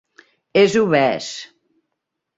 És obès.